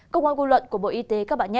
công an quân luận của bộ y tế